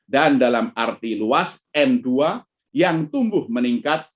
dan dalam arti luas m dua yang tumbuh meningkat